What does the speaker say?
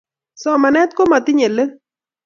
Somanet komatinye let